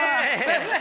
先生！